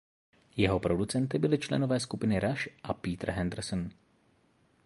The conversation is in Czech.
Jeho producenty byli členové skupiny Rush a Peter Henderson.